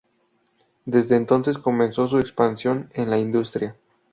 Desde entonces comenzó su expansión en la industria.